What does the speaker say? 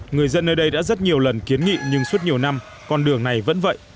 người dân nơi đây đã rất nhiều lần kiến nghị nhưng suốt nhiều năm con đường này vẫn vậy